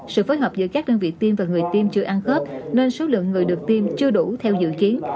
sự phối hợp giữa các đơn vị tiêm và người tiêm chưa ăn khớp nên số lượng người được tiêm chưa đủ theo dự kiến